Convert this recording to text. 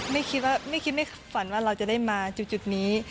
ไม่คิดว่าไม่คิดไม่ฝันว่าเราจะได้มาจุดนี้